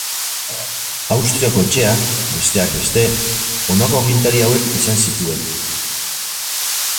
Austriako Etxeak, besteak beste, honako agintari hauek izan zituen.